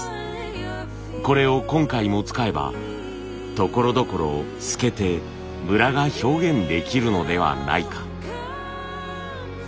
これを今回も使えばところどころ透けてムラが表現できるのではないか。